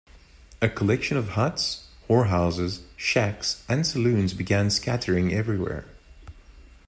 A collection of huts, whorehouses, shacks, and saloons began scattering everywhere.